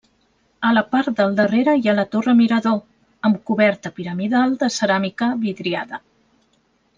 A la part del darrere hi ha la torre-mirador, amb coberta piramidal de ceràmica vidriada.